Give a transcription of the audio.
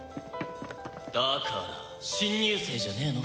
「だから新入生じゃねえの？